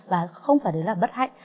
và không phải đấy là bất hạnh